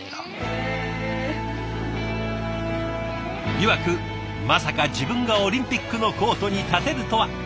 いわく「まさか自分がオリンピックのコートに立てるとは」。